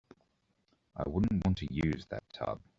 I wouldn't want to use that tub.